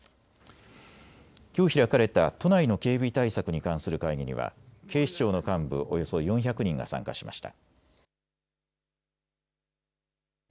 きょう開かれた都内の警備対策に関する会議には警視庁の幹部およそ４００人が参加しました。